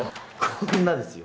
こんなですよ